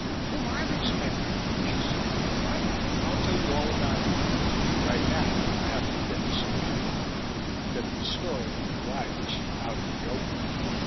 "Who are these men?" she said. "What " "I'll tell you all about it later. Right now, I have to get to some people I know, get this story on the wires, out in the open.